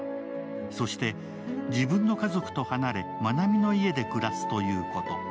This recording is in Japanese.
そして自分の家族と離れ、まなみの家で暮らすということ。